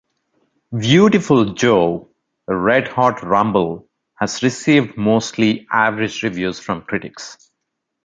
"Viewtiful Joe: Red Hot Rumble" has received mostly average reviews from critics.